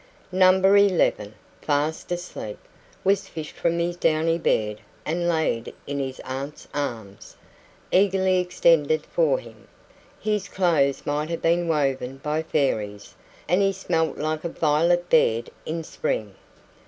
Number eleven, fast asleep, was fished from his downy bed and laid in his aunt's arms, eagerly extended for him. His clothes might have been woven by fairies, and he smelt like a violet bed in spring.